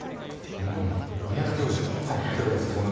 宮田教授いかがですか